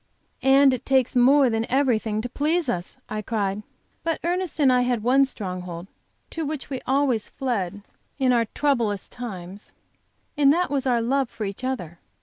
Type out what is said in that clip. "And it takes more than everything to please us!" I cried. "But Ernest and I had one stronghold to which we always fled in our troublous times, and that was our love for each other.